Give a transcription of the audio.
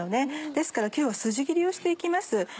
ですから今日はスジ切りをして行きます。